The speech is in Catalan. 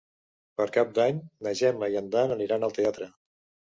Per Cap d'Any na Gemma i en Dan aniran al teatre.